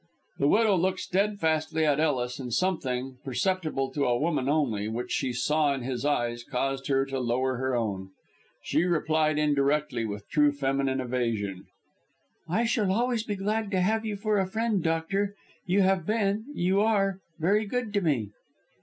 The widow looked steadfastly at Ellis, and something perceptible to a woman only which she saw in his eyes caused her to lower her own. She replied indirectly, with true feminine evasion, "I shall always be glad to have you for a friend, doctor. You have been you are very good to me."